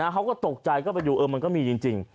เขาก็ตกใจก็ไปดูมันก็มีจริง